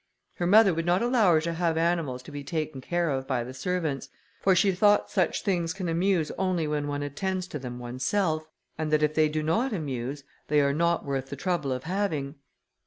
Her mother would not allow her to have animals to be taken care of by the servants, for she thought such things can amuse only when one attends to them oneself, and that if they do not amuse, they are not worth the trouble of having.